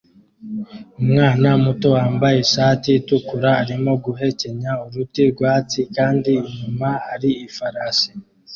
Umwana muto wambaye ishati itukura arimo guhekenya uruti rwatsi kandi inyuma hari ifarashi